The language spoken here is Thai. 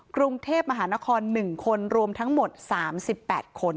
กรุงเทพมหานคร๑คนรวมทั้งหมด๓๘คน